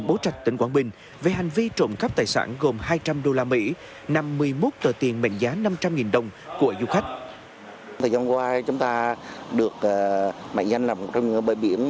các đối tượng trộm cắt tài sản tại bãi biển đà nẵng thường lợi dụng lúc đông người